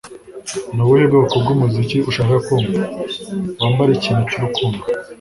Ni ubuhe bwoko bw'umuziki ushaka kumva?" "Wambare ikintu cy'urukundo."